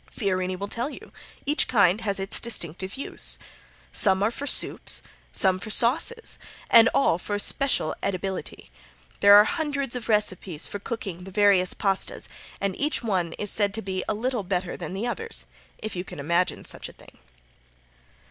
Fiorini will tell you that each kind has its distinctive use. Some are for soups, some for sauces, and all for special edibility. There are hundreds of recipes for cooking the various pastes and each one is said to be a little better than the others, if you can imagine such a thing.